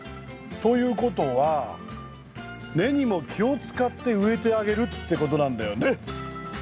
ということは根にも気を使って植えてあげるってことなんだよね？